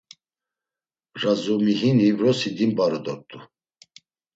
Razumihini vrosi dimbaru dort̆u.